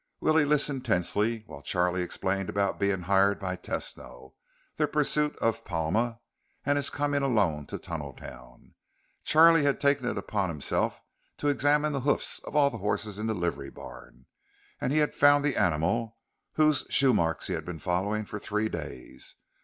Willie listened tensely while Charlie explained about being hired by Tesno, their pursuit of Palma, and his coming alone to Tunneltown. Charlie had taken it upon himself to examine the hoofs of all the horses in the livery barn, and he had found the animal whose shoe marks he had been following for three days.